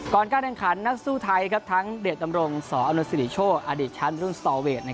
ก่อนการแรงขันนักสู้ไทยครับทั้งเดชน์ตำรงสอศิริโชอชันรุ่นสตเวท